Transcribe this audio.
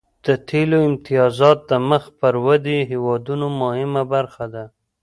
د تیلو امتیازات د مخ پر ودې هیوادونو مهمه برخه ده